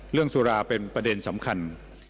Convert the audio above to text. เรื่องสุราเป็นประเด็นสำคัญ